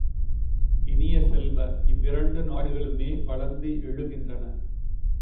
இனிய செல்வ, இவ்விரண்டு நாடுகளுமே வளர்ந்து எழுகின்றன.